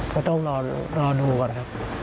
ก็ต้องรอดูก่อนครับ